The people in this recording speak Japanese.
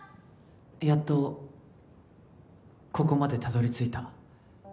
やっと、ここまでたどりついた。